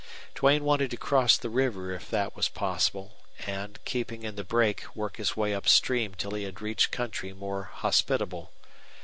Duane wanted to cross the river if that was possible, and, keeping in the brake, work his way upstream till he had reached country more hospitable.